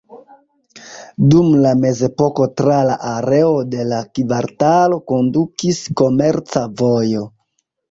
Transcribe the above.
Dum la mezepoko tra la areo de la kvartalo kondukis komerca vojo.